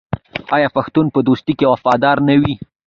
آیا پښتون په دوستۍ کې وفادار نه وي؟